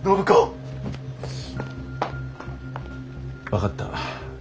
分かった。